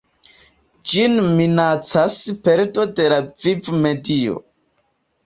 Ĝin minacas perdo de la vivmedio.